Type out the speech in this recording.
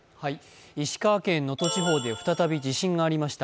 石川県能登地方で再び地震がありました。